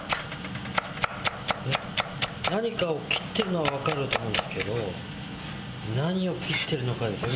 何かを切ってるのはわかると思うんですけど何を切ってるのかですよ